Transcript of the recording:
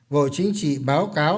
bộ chính trị báo cáo